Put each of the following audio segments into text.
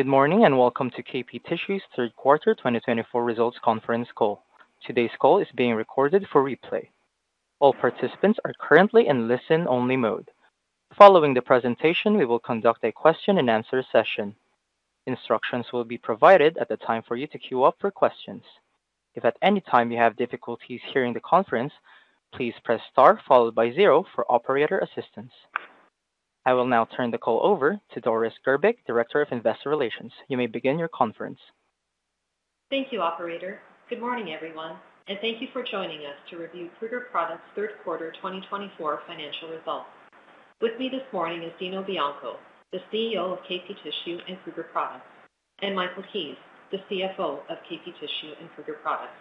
Good morning and welcome to KP Tissue's third quarter 2024 results conference call. Today's call is being recorded for replay. All participants are currently in listen-only mode. Following the presentation, we will conduct a question-and-answer session. Instructions will be provided at the time for you to queue up for questions. If at any time you have difficulties hearing the conference, please press star followed by zero for operator assistance. I will now turn the call over to Doris Grbic, Director of Investor Relations. You may begin your conference. Thank you, Operator. Good morning, everyone, and thank you for joining us to review Kruger Products' third quarter 2024 financial results. With me this morning is Dino Bianco, the CEO of KP Tissue and Kruger Products, and Michael Keays, the CFO of KP Tissue and Kruger Products.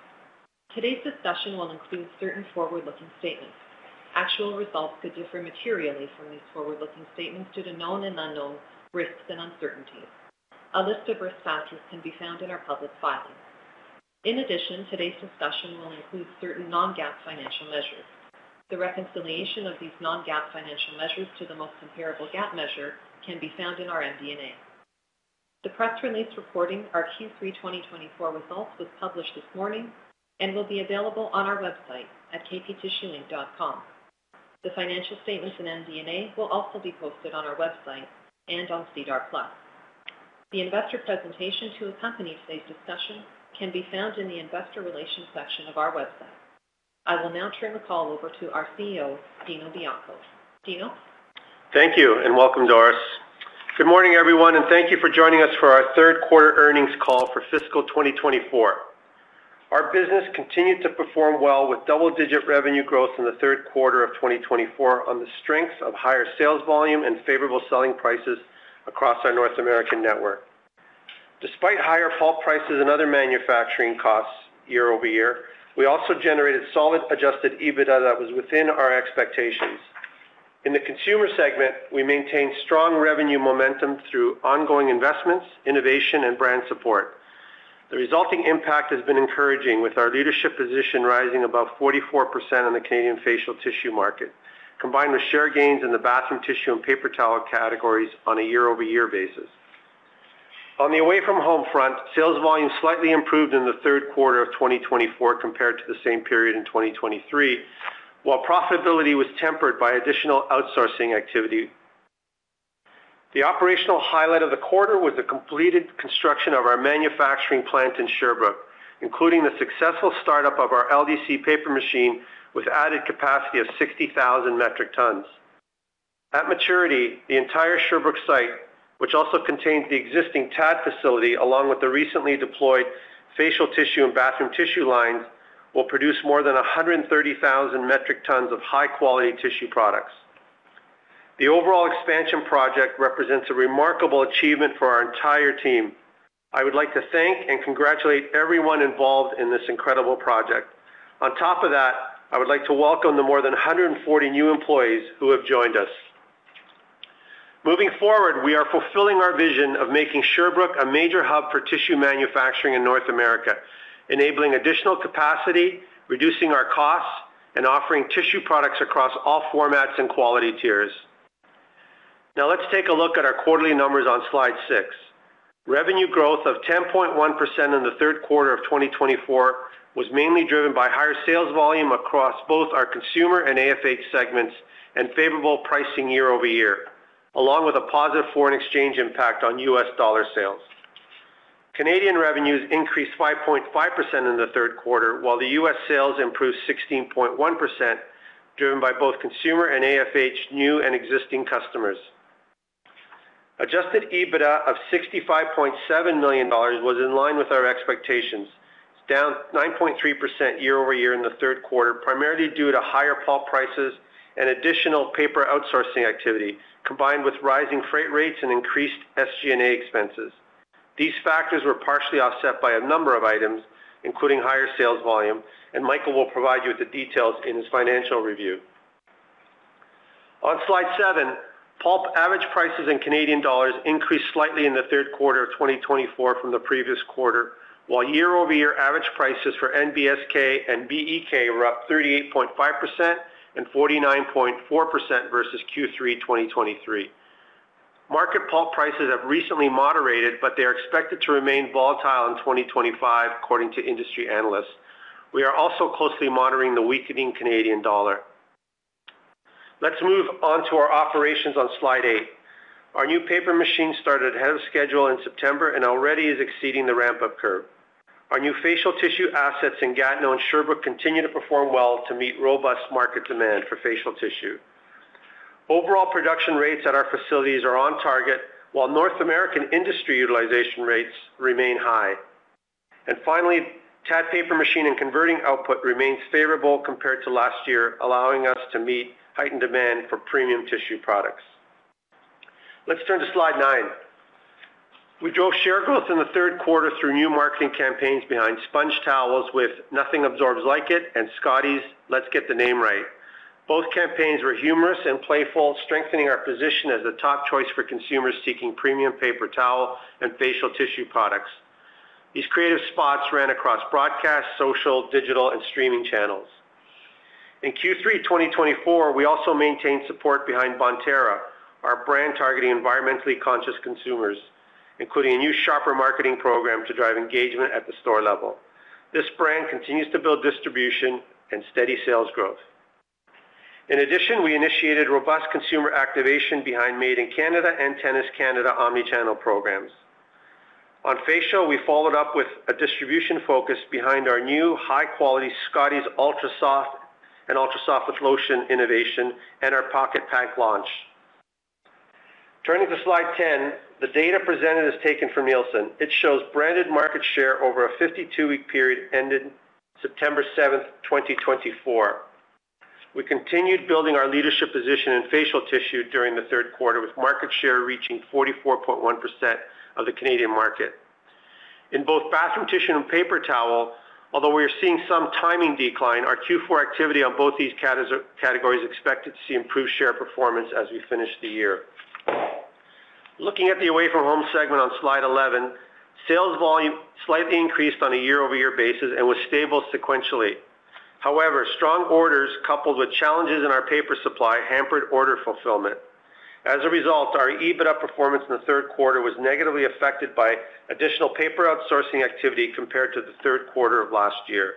Today's discussion will include certain forward-looking statements. Actual results could differ materially from these forward-looking statements due to known and unknown risks and uncertainties. A list of risk factors can be found in our public filing. In addition, today's discussion will include certain non-GAAP financial measures. The reconciliation of these non-GAAP financial measures to the most comparable GAAP measure can be found in our MD&A. The press release reporting our Q3 2024 results was published this morning and will be available on our website at KPTissueInc.com. The financial statements and MD&A will also be posted on our website and on SEDAR+. The investor presentation to accompany today's discussion can be found in the investor relations section of our website. I will now turn the call over to our CEO, Dino Bianco. Dino? Thank you and welcome, Doris. Good morning, everyone, and thank you for joining us for our third quarter earnings call for fiscal 2024. Our business continued to perform well with double-digit revenue growth in the third quarter of 2024 on the strength of higher sales volume and favorable selling prices across our North American network. Despite higher bulk prices and other manufacturing costs year-over-year, we also generated solid adjusted EBITDA that was within our expectations. In the Consumer segment, we maintained strong revenue momentum through ongoing investments, innovation, and brand support. The resulting impact has been encouraging with our leadership position rising above 44% in the Canadian facial tissue market, combined with share gains in the bathroom tissue and paper towel categories on a year-over-year basis. On the Away-From-Home front, sales volume slightly improved in the third quarter of 2024 compared to the same period in 2023, while profitability was tempered by additional outsourcing activity. The operational highlight of the quarter was the completed construction of our manufacturing plant in Sherbrooke, including the successful startup of our LDC paper machine with added capacity of 60,000 metric tons. At maturity, the entire Sherbrooke site, which also contains the existing TAD facility along with the recently deployed facial tissue and bathroom tissue lines, will produce more than 130,000 metric tons of high-quality tissue products. The overall expansion project represents a remarkable achievement for our entire team. I would like to thank and congratulate everyone involved in this incredible project. On top of that, I would like to welcome the more than 140 new employees who have joined us. Moving forward, we are fulfilling our vision of making Sherbrooke a major hub for tissue manufacturing in North America, enabling additional capacity, reducing our costs, and offering tissue products across all formats and quality tiers. Now, let's take a look at our quarterly numbers on slide six. Revenue growth of 10.1% in the third quarter of 2024 was mainly driven by higher sales volume across both our Consumer and AFH segments and favorable pricing year-over-year, along with a positive foreign exchange impact on U.S. dollar sales. Canadian revenues increased 5.5% in the third quarter, while the U.S. sales improved 16.1%, driven by both Consumer and AFH new and existing customers. Adjusted EBITDA of 65.7 million dollars was in line with our expectations, down 9.3% year-over-year in the third quarter, primarily due to higher pulp prices and additional paper outsourcing activity, combined with rising freight rates and increased SG&A expenses. These factors were partially offset by a number of items, including higher sales volume, and Michael will provide you with the details in his financial review. On slide seven, Pulp average prices in Canadian dollars increased slightly in the third quarter of 2024 from the previous quarter, while year-over-year average prices for NBSK and BEK were up 38.5% and 49.4% versus Q3 2023. Market pulp prices have recently moderated, but they are expected to remain volatile in 2025, according to industry analysts. We are also closely monitoring the weakening Canadian dollar. Let's move on to our operations on slide eight. Our new paper machine started ahead of schedule in September and already is exceeding the ramp-up curve. Our new facial tissue assets in Gatineau and Sherbrooke continue to perform well to meet robust market demand for facial tissue. Overall production rates at our facilities are on target, while North American industry utilization rates remain high. And finally, TAD paper machine and converting output remains favorable compared to last year, allowing us to meet heightened demand for premium tissue products. Let's turn to slide nine. We drove share growth in the third quarter through new marketing campaigns behind SpongeTowels with Nothing Absorbs Like It and Scotties Let's Get the Name Right. Both campaigns were humorous and playful, strengthening our position as the top choice for consumers seeking premium paper towel and facial tissue products. These creative spots ran across broadcast, social, digital, and streaming channels. In Q3 2024, we also maintained support behind Bonterra, our brand targeting environmentally conscious consumers, including a new sharper marketing program to drive engagement at the store level. This brand continues to build distribution and steady sales growth. In addition, we initiated robust consumer activation behind Made in Canada and Tennis Canada omnichannel programs. On facial, we followed up with a distribution focus behind our new high-quality Scotties Ultra Soft and Ultra Soft with Lotion innovation and our Pocket Pack launch. Turning to slide ten, the data presented is taken from Nielsen. It shows branded market share over a 52-week period ended September 7th, 2024. We continued building our leadership position in facial tissue during the third quarter, with market share reaching 44.1% of the Canadian market. In both bathroom tissue and paper towel, although we are seeing some timing decline, our Q4 activity on both these categories is expected to see improved share performance as we finish the year. Looking at the Away-From-Home segment on slide 11, sales volume slightly increased on a year-over-year basis and was stable sequentially. However, strong orders coupled with challenges in our paper supply hampered order fulfillment. As a result, our EBITDA performance in the third quarter was negatively affected by additional paper outsourcing activity compared to the third quarter of last year.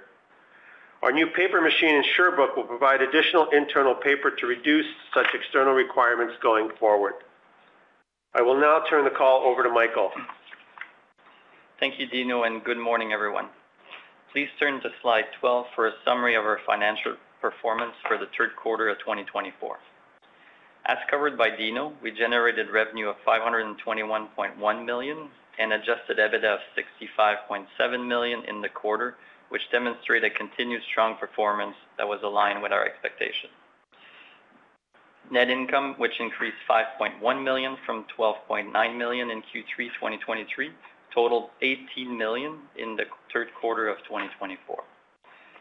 Our new paper machine in Sherbrooke will provide additional internal paper to reduce such external requirements going forward. I will now turn the call over to Michael. Thank you, Dino, and good morning, everyone. Please turn to slide 12 for a summary of our financial performance for the third quarter of 2024. As covered by Dino, we generated revenue of 521.1 million and adjusted EBITDA of 65.7 million in the quarter, which demonstrated continued strong performance that was aligned with our expectations. Net income, which increased 5.1 million from 12.9 million in Q3 2023, totaled 18 million in the third quarter of 2024.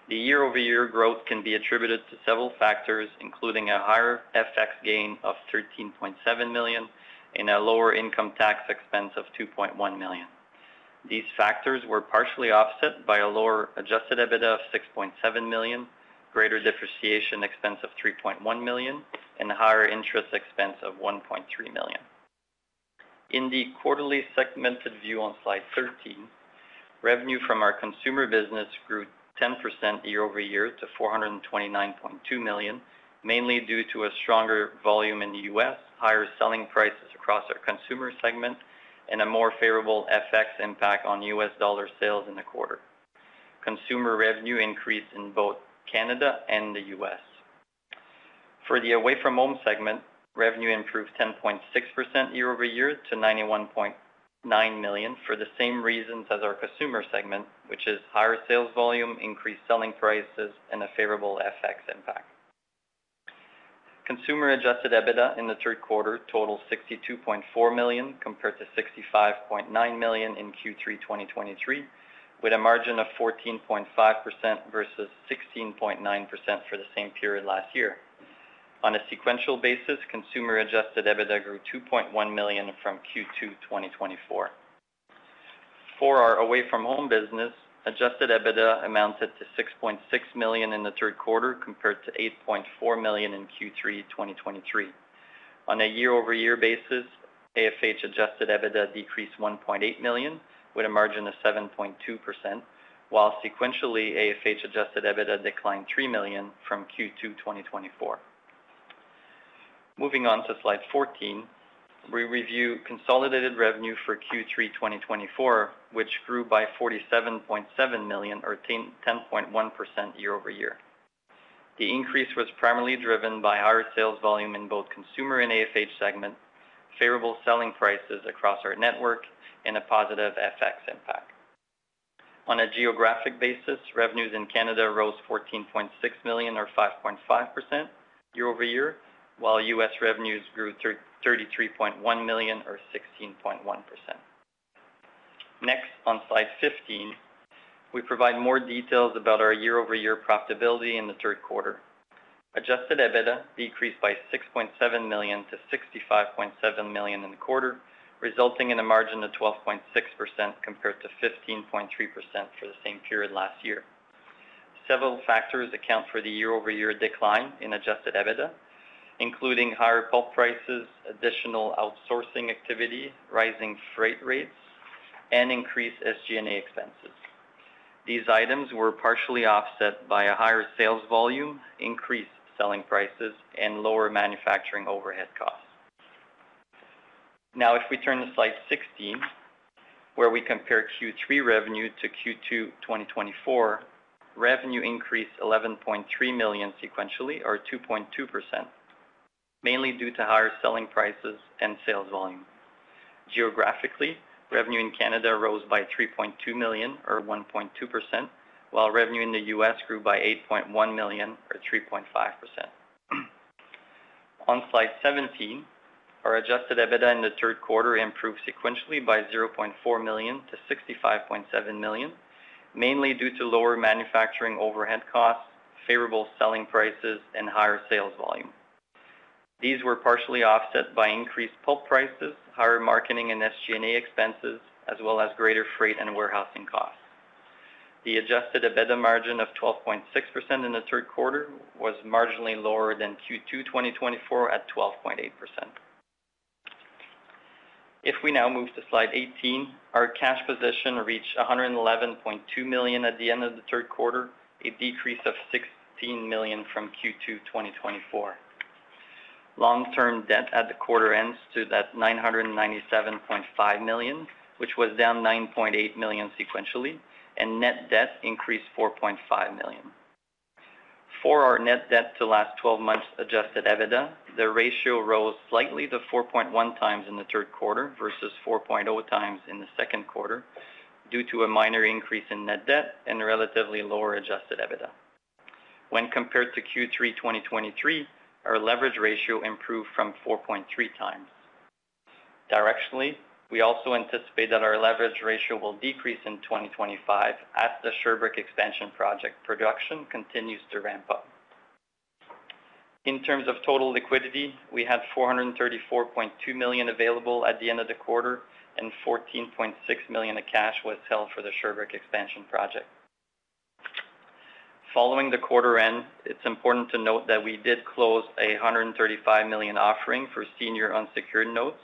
The year-over-year growth can be attributed to several factors, including a higher FX gain of 13.7 million and a lower income tax expense of 2.1 million. These factors were partially offset by a lower adjusted EBITDA of 6.7 million, greater depreciation expense of 3.1 million, and a higher interest expense of 1.3 million. In the quarterly segmented view on slide 13, revenue from our Consumer business grew 10% year-over-year to 429.2 million, mainly due to a stronger volume in the U.S., higher selling prices across our Consumer segment, and a more favorable FX impact on US dollar sales in the quarter. Consumer revenue increased in both Canada and the U.S. For the Away-From-Home segment, revenue improved 10.6% year-over-year to 91.9 million for the same reasons as our Consumer segment, which is higher sales volume, increased selling prices, and a favorable FX impact. Consumer adjusted EBITDA in the third quarter totaled 62.4 million compared to 65.9 million in Q3 2023, with a margin of 14.5% versus 16.9% for the same period last year. On a sequential basis, Consumer adjusted EBITDA grew 2.1 million from Q2 2024. For our Away-From-Home business, adjusted EBITDA amounted to 6.6 million in the third quarter compared to 8.4 million in Q3 2023. On a year-over-year basis, AFH adjusted EBITDA decreased 1.8 million with a margin of 7.2%, while sequentially, AFH adjusted EBITDA declined 3 million from Q2 2024. Moving on to slide 14, we review consolidated revenue for Q3 2024, which grew by 47.7 million or 10.1% year-over-year. The increase was primarily driven by higher sales volume in both Consumer and AFH segment, favorable selling prices across our network, and a positive FX impact. On a geographic basis, revenues in Canada rose 14.6 million or 5.5% year-over-year, while U.S. revenues grew 33.1 million or 16.1%. Next, on slide 15, we provide more details about our year-over-year profitability in the third quarter. Adjusted EBITDA decreased by 6.7 million to 65.7 million in the quarter, resulting in a margin of 12.6% compared to 15.3% for the same period last year. Several factors account for the year-over-year decline in adjusted EBITDA, including higher pulp prices, additional outsourcing activity, rising freight rates, and increased SG&A expenses. These items were partially offset by a higher sales volume, increased selling prices, and lower manufacturing overhead costs. Now, if we turn to slide 16, where we compare Q3 revenue to Q2 2024, revenue increased 11.3 million sequentially or 2.2%, mainly due to higher selling prices and sales volume. Geographically, revenue in Canada rose by 3.2 million or 1.2%, while revenue in the U.S. grew by 8.1 million or 3.5%. On slide 17, our adjusted EBITDA in the third quarter improved sequentially by 0.4 million to 65.7 million, mainly due to lower manufacturing overhead costs, favorable selling prices, and higher sales volume. These were partially offset by increased pulp prices, higher marketing and SG&A expenses, as well as greater freight and warehousing costs. The adjusted EBITDA margin of 12.6% in the third quarter was marginally lower than Q2 2024 at 12.8%. If we now move to slide 18, our cash position reached 111.2 million at the end of the third quarter, a decrease of 16 million from Q2 2024. Long-term debt at the quarter end stood at 997.5 million, which was down 9.8 million sequentially, and net debt increased 4.5 million. For our net debt to last 12 months adjusted EBITDA, the ratio rose slightly to 4.1x in the third quarter versus 4.0x in the second quarter due to a minor increase in net debt and relatively lower adjusted EBITDA. When compared to Q3 2023, our leverage ratio improved from 4.3x. Directionally, we also anticipate that our leverage ratio will decrease in 2025 as the Sherbrooke Expansion Project production continues to ramp up. In terms of total liquidity, we had 434.2 million available at the end of the quarter, and 14.6 million of cash was held for the Sherbrooke Expansion Project. Following the quarter end, it's important to note that we did close a 135 million offering for senior unsecured notes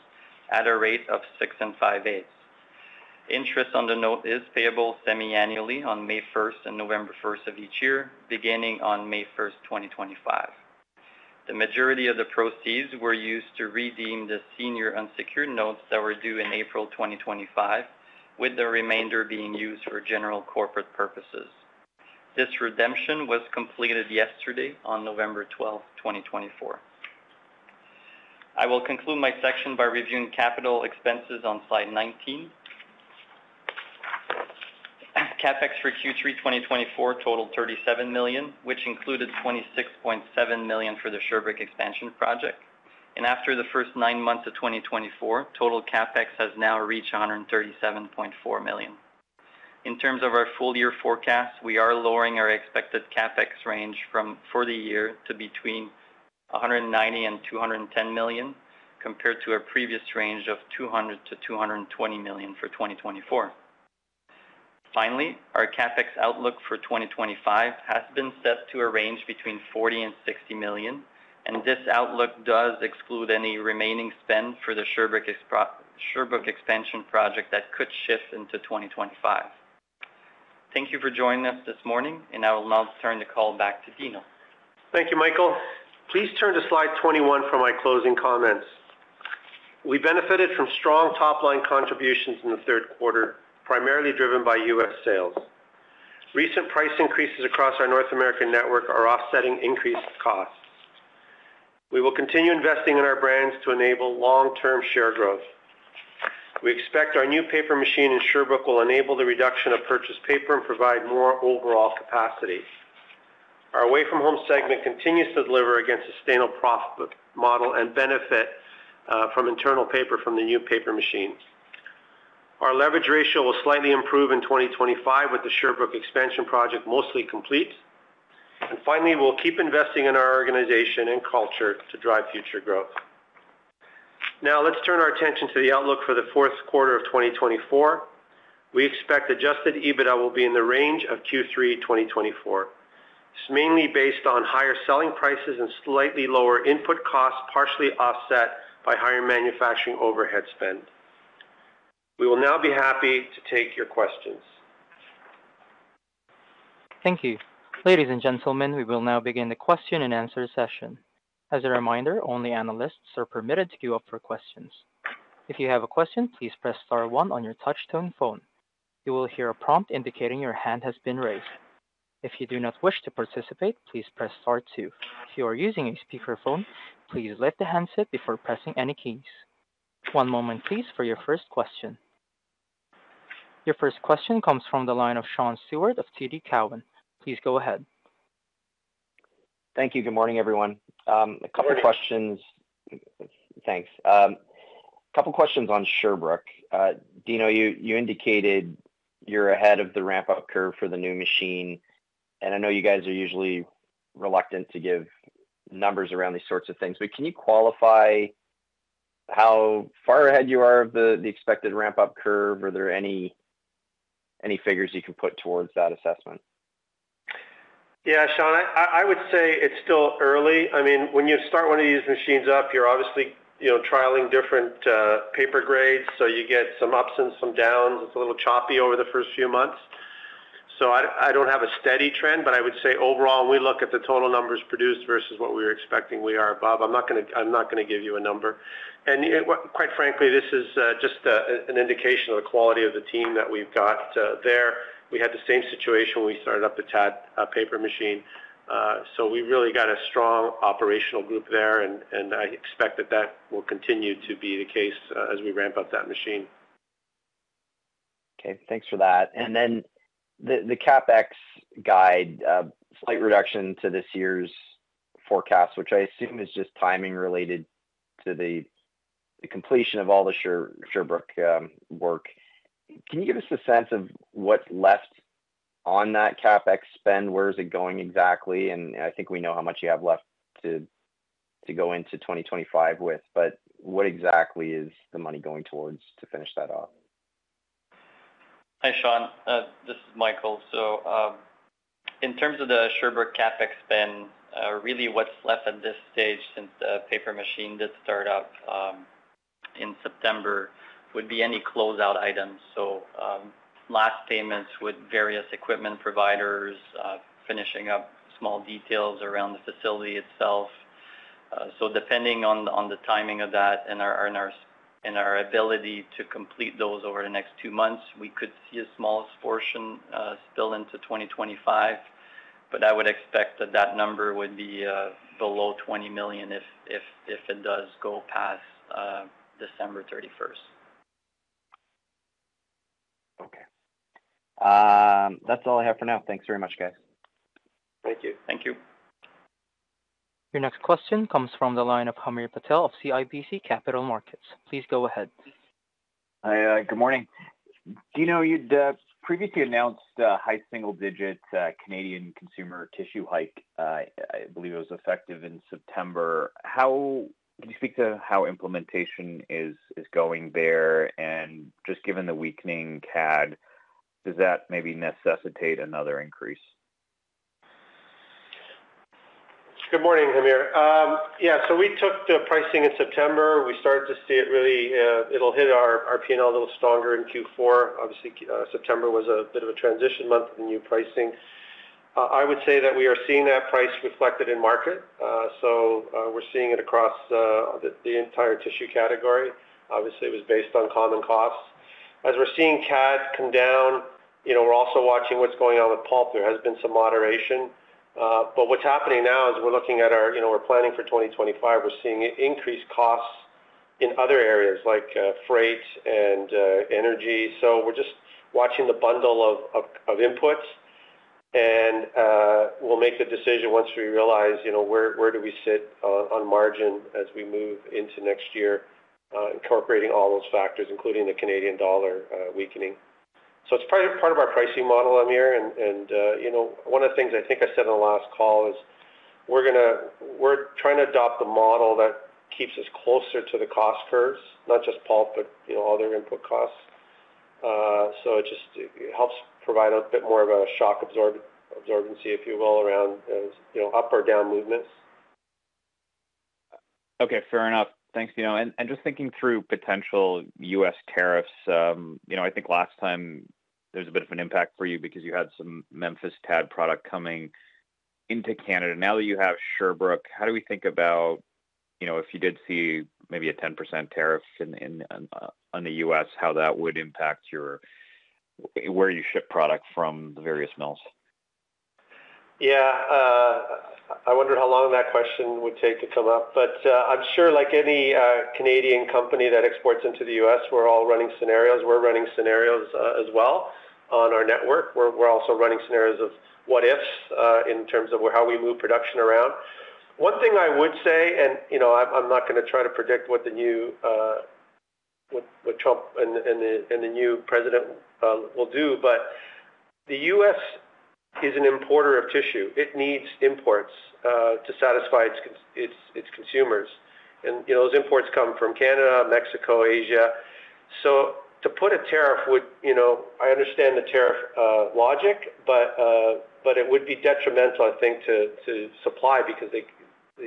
at a rate of 6.58%. Interest on the note is payable semi-annually on May 1st and November 1st of each year, beginning on May 1st, 2025. The majority of the proceeds were used to redeem the senior unsecured notes that were due in April 2025, with the remainder being used for general corporate purposes. This redemption was completed yesterday, on November 12, 2024. I will conclude my section by reviewing capital expenses on slide 19. CapEx for Q3 2024 totaled 37 million, which included 26.7 million for the Sherbrooke Expansion Project and after the first nine months of 2024, total CapEx has now reached 137.4 million. In terms of our full-year forecast, we are lowering our expected CapEx range for the year to between 190 million and 210 million compared to our previous range of 200 million-220 million for 2024. Finally, our CapEx outlook for 2025 has been set to a range between 40 million and 60 million, and this outlook does exclude any remaining spend for the Sherbrooke Expansion Project that could shift into 2025. Thank you for joining us this morning, and I will now turn the call back to Dino. Thank you, Michael. Please turn to slide 21 for my closing comments. We benefited from strong top-line contributions in the third quarter, primarily driven by U.S. sales. Recent price increases across our North American network are offsetting increased costs. We will continue investing in our brands to enable long-term share growth. We expect our new paper machine in Sherbrooke will enable the reduction of purchased paper and provide more overall capacity. Our Away-From-Home segment continues to deliver against a sustainable profit model and benefit from internal paper from the new paper machine. Our leverage ratio will slightly improve in 2025 with the Sherbrooke Expansion Project mostly complete. And finally, we'll keep investing in our organization and culture to drive future growth. Now, let's turn our attention to the outlook for the fourth quarter of 2024. We expect adjusted EBITDA will be in the range of Q3 2024. It's mainly based on higher selling prices and slightly lower input costs partially offset by higher manufacturing overhead spend. We will now be happy to take your questions. Thank you. Ladies and gentlemen, we will now begin the question and answer session. As a reminder, only analysts are permitted to queue up for questions. If you have a question, please press star one on your touch-tone phone. You will hear a prompt indicating your hand has been raised. If you do not wish to participate, please press star two. If you are using a speakerphone, please lift the handset before pressing any keys. One moment, please, for your first question. Your first question comes from the line of Sean Steuart of TD Cowen. Please go ahead. Thank you. Good morning, everyone. A couple of questions. Hello. Thanks. A couple of questions on Sherbrooke. Dino, you indicated you're ahead of the ramp-up curve for the new machine, and I know you guys are usually reluctant to give numbers around these sorts of things, but can you qualify how far ahead you are of the expected ramp-up curve? Are there any figures you can put towards that assessment? Yeah, Sean, I would say it's still early. I mean, when you start one of these machines up, you're obviously trialing different paper grades, so you get some ups and some downs. It's a little choppy over the first few months. So I don't have a steady trend, but I would say overall, when we look at the total numbers produced versus what we were expecting, we are above. I'm not going to give you a number. And quite frankly, this is just an indication of the quality of the team that we've got there. We had the same situation when we started up the TAD paper machine. So we really got a strong operational group there, and I expect that that will continue to be the case as we ramp up that machine. Okay. Thanks for that. And then the CapEx guide, slight reduction to this year's forecast, which I assume is just timing related to the completion of all the Sherbrooke work. Can you give us a sense of what's left on that CapEx spend? Where is it going exactly? And I think we know how much you have left to go into 2025 with, but what exactly is the money going towards to finish that off? Hi, Sean. This is Michael. So in terms of the Sherbrooke CapEx spend, really what's left at this stage since the paper machine did start up in September would be any closeout items. So last payments with various equipment providers, finishing up small details around the facility itself. So depending on the timing of that and our ability to complete those over the next two months, we could see a small portion spill into 2025, but I would expect that that number would be below 20 million if it does go past December 31st. Okay. That's all I have for now. Thanks very much, guys. Thank you. Thank you. Your next question comes from the line of Hamir Patel of CIBC Capital Markets. Please go ahead. Hi. Good morning. Dino, you'd previously announced a high single-digit Canadian consumer tissue hike. I believe it was effective in September. Can you speak to how implementation is going there? And just given the weakening CAD, does that maybe necessitate another increase? Good morning, Hamir. Yeah, so we took the pricing in September. We started to see it really hit our P&L a little stronger in Q4. Obviously, September was a bit of a transition month with the new pricing. I would say that we are seeing that price reflected in market. So we're seeing it across the entire tissue category. Obviously, it was based on common costs. As we're seeing CAD come down, we're also watching what's going on with pulp. There has been some moderation. But what's happening now is we're looking at our—we're planning for 2025. We're seeing increased costs in other areas like freight and energy. So we're just watching the bundle of inputs, and we'll make the decision once we realize where do we sit on margin as we move into next year, incorporating all those factors, including the Canadian dollar weakening. So it's part of our pricing model, Hamir. And one of the things I think I said on the last call is we're trying to adopt the model that keeps us closer to the cost curves, not just pulp, but other input costs. So it just helps provide a bit more of a shock absorbency, if you will, around up or down movements. Okay. Fair enough. Thanks, Dino. And just thinking through potential U.S. tariffs, I think last time there was a bit of an impact for you because you had some Memphis TAD product coming into Canada. Now that you have Sherbrooke, how do we think about if you did see maybe a 10% tariff in the U.S., how that would impact where you ship product from the various mills? Yeah. I wonder how long that question would take to come up, but I'm sure like any Canadian company that exports into the U.S., we're all running scenarios. We're running scenarios as well on our network. We're also running scenarios of what-ifs in terms of how we move production around. One thing I would say, and I'm not going to try to predict what Trump and the new president will do, but the U.S. is an importer of tissue. It needs imports to satisfy its consumers. And those imports come from Canada, Mexico, Asia. So to put a tariff would, I understand the tariff logic, but it would be detrimental, I think, to supply because the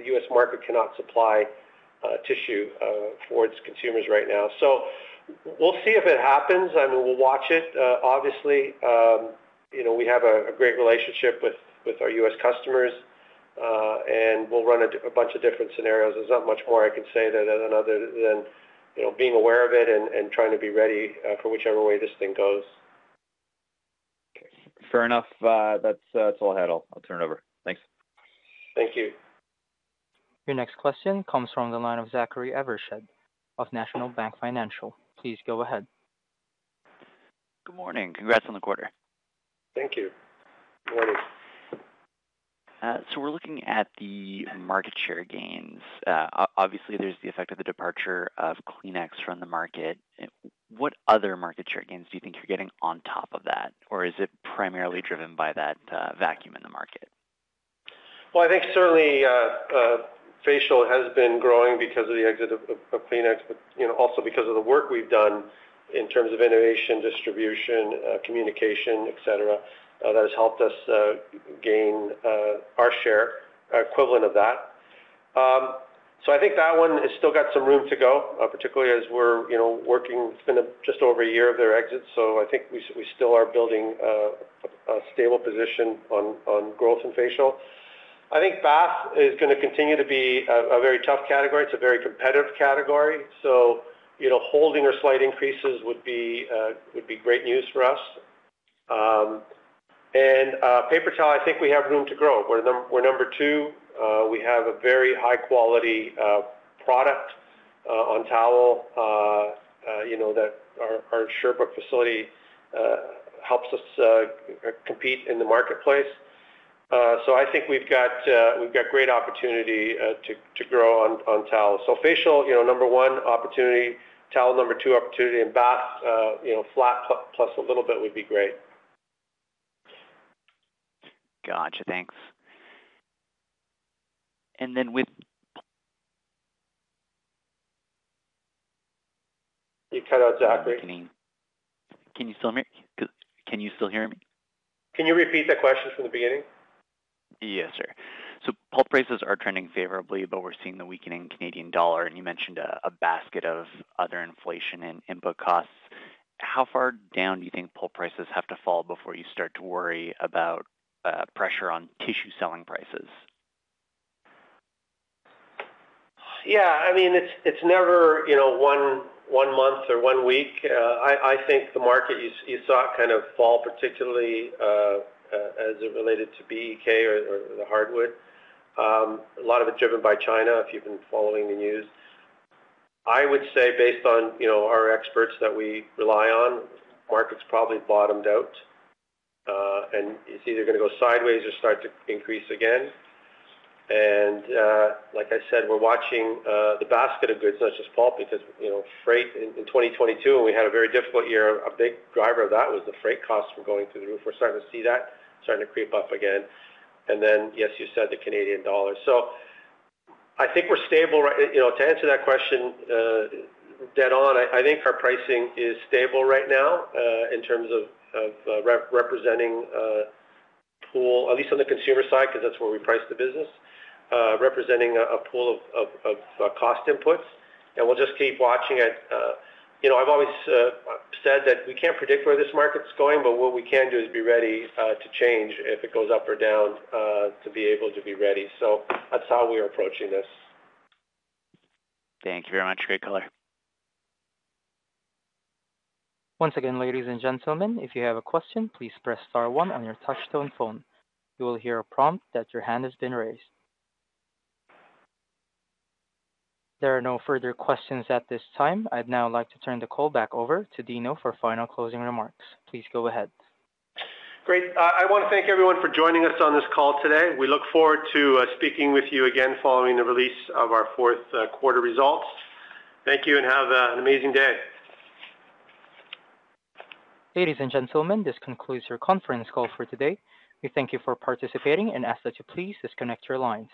U.S. market cannot supply tissue for its consumers right now. So we'll see if it happens. I mean, we'll watch it. Obviously, we have a great relationship with our U.S. customers, and we'll run a bunch of different scenarios. There's not much more I can say other than being aware of it and trying to be ready for whichever way this thing goes. Fair enough. That's all I had. I'll turn it over. Thanks. Thank you. Your next question comes from the line of Zachary Evershed of National Bank Financial. Please go ahead. Good morning. Congrats on the quarter. Thank you. Good morning. So we're looking at the market share gains. Obviously, there's the effect of the departure of Kleenex from the market. What other market share gains do you think you're getting on top of that? Or is it primarily driven by that vacuum in the market? I think certainly facial has been growing because of the exit of Kleenex, but also because of the work we've done in terms of innovation, distribution, communication, etc., that has helped us gain our share, equivalent of that. So I think that one has still got some room to go, particularly as we're working. It's been just over a year of their exit. So I think we still are building a stable position on growth in facial. I think bath is going to continue to be a very tough category. It's a very competitive category. So holding or slight increases would be great news for us. And paper towel, I think we have room to grow. We're number two. We have a very high-quality product on Towel that our Sherbrooke facility helps us compete in the marketplace. So I think we've got great opportunity to grow on Towel. So Facial, number one, opportunity. Towel, number two, opportunity. And Bath, flat plus a little bit would be great. Gotcha. Thanks. And then with. You cut out, Zachary. Can you still hear me? Can you still hear me? Can you repeat that question from the beginning? Yes, sir. So pulp prices are trending favorably, but we're seeing the weakening Canadian dollar, and you mentioned a basket of other inflation and input costs. How far down do you think pulp prices have to fall before you start to worry about pressure on tissue selling prices? Yeah. I mean, it's never one month or one week. I think the market, you saw it kind of fall, particularly as it related to BEK or the hardwood. A lot of it driven by China, if you've been following the news. I would say, based on our experts that we rely on, the market's probably bottomed out, and it's either going to go sideways or start to increase again, and like I said, we're watching the basket of goods, not just pulp, because freight in 2022, we had a very difficult year. A big driver of that was the freight costs from going through the roof. We're starting to see that starting to creep up again, and then, yes, you said the Canadian dollar, so I think we're stable. To answer that question dead on, I think our pricing is stable right now in terms of representing a pool, at least on the consumer side, because that's where we price the business, representing a pool of cost inputs. And we'll just keep watching it. I've always said that we can't predict where this market's going, but what we can do is be ready to change if it goes up or down to be able to be ready. So that's how we are approaching this. Thank you very much. Great color. Once again, ladies and gentlemen, if you have a question, please press star one on your touch-tone phone. You will hear a prompt that your hand has been raised. There are no further questions at this time. I'd now like to turn the call back over to Dino for final closing remarks. Please go ahead. Great. I want to thank everyone for joining us on this call today. We look forward to speaking with you again following the release of our fourth quarter results. Thank you and have an amazing day. Ladies and gentlemen, this concludes your conference call for today. We thank you for participating and ask that you please disconnect your lines.